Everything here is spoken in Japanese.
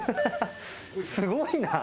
すごいな。